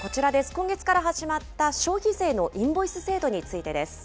今月から始まった消費税のインボイス制度についてです。